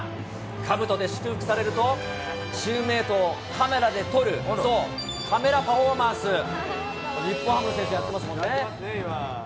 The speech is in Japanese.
かぶとで祝福されると、チームメートをカメラで撮る、カメラパフォーマンス、日本ハムの選手もややってますね、今。